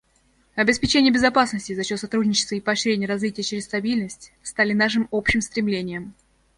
Обеспечение безопасности за счет сотрудничества и поощрение развития через стабильность стали нашим общим стремлением.